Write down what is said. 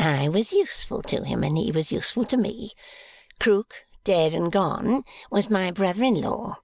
I was useful to him, and he was useful to me. Krook, dead and gone, was my brother in law.